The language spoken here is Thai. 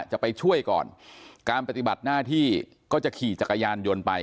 จะไปช่วยก่อนการปฏิบัติหน้าที่ก็จะขี่จักรยานยนต์ไป